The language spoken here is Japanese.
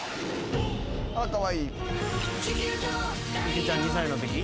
池ちゃん２歳のとき？